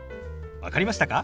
分かりましたか？